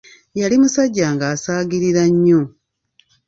Yali musajja ng'asaagirira nnyo.